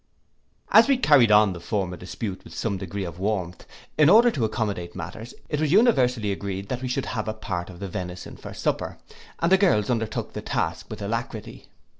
As we carried on the former dispute with some degree of warmth, in order to accommodate matters, it was universally agreed, that we should have a part of the venison for supper, and the girls undertook the task with alacrity.